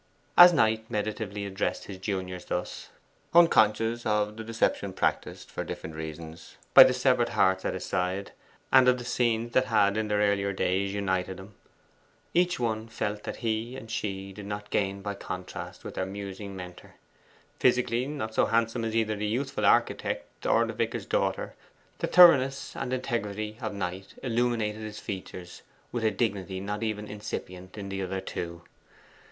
As Knight meditatively addressed his juniors thus, unconscious of the deception practised, for different reasons, by the severed hearts at his side, and of the scenes that had in earlier days united them, each one felt that he and she did not gain by contrast with their musing mentor. Physically not so handsome as either the youthful architect or the vicar's daughter, the thoroughness and integrity of Knight illuminated his features with a dignity not even incipient in the other two.